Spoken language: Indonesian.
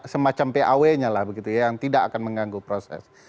semacam paw nya lah begitu ya yang tidak akan mengganggu proses